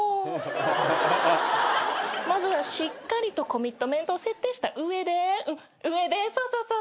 まずはしっかりとコミットメントを設定した上で上でそうそう。